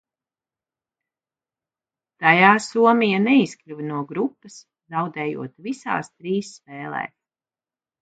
Tajā Somija neizkļuva no grupas, zaudējot visās trīs spēlēs.